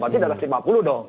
berarti di atas lima puluh dong